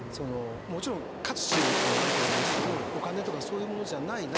もちろん勝つチームというのもあると思いますけどお金とかそういうものじゃない何か。